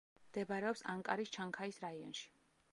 მდებარეობს ანკარის ჩანქაიას რაიონში.